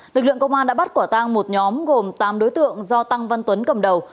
lực lượng công an đã bắt quả tang một nhóm gồm tám đối tượng do tăng văn tuấn cầm đầu